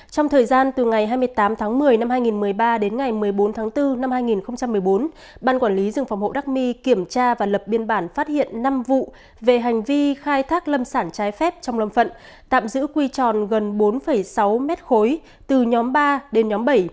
trong thời gian từ ngày hai mươi tám tháng một mươi năm hai nghìn một mươi ba đến ngày một mươi bốn tháng bốn năm hai nghìn một mươi bốn ban quản lý rừng phòng hộ đắc my kiểm tra và lập biên bản phát hiện năm vụ về hành vi khai thác lâm sản trái phép trong lâm phận tạm giữ quy tròn gần bốn sáu mét khối từ nhóm ba đến nhóm bảy